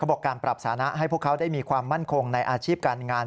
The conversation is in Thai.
บอกการปรับสานะให้พวกเขาได้มีความมั่นคงในอาชีพการงาน